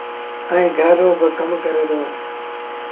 ائيٚݩ گھر رو با ڪم ڪري دو۔